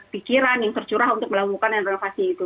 pikiran yang tercurah untuk melakukan re inovasi itu